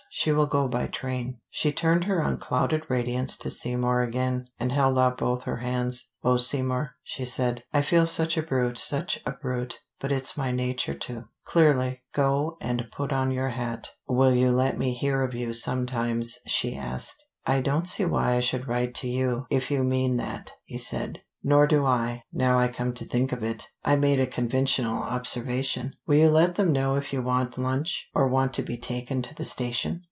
She will go by train." She turned her unclouded radiance to Seymour again, and held out both her hands. "Oh, Seymour," she said. "I feel such a brute, such a brute. But it's my nature to." "Clearly. Go and put on your hat." "Will you let me hear of you sometimes?" she asked. "I don't see why I should write to you, if you mean that," he said. "Nor do I, now I come to think of it. I made a conventional observation. Will you let them know if you want lunch, or want to be taken to the station?"